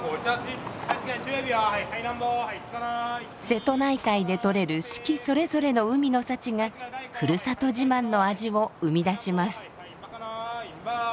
瀬戸内海でとれる四季それぞれの海の幸がふるさと自慢の味を生み出します。